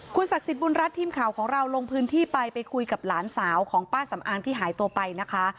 ศักดิ์สิทธิบุญรัฐทีมข่าวของเราลงพื้นที่ไปไปคุยกับหลานสาวของป้าสำอางที่หายตัวไปนะคะ